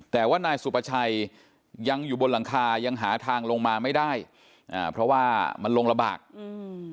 แต่ว่านายสุประชัยยังอยู่บนหลังคายังหาทางลงมาไม่ได้อ่าเพราะว่ามันลงระบากอืม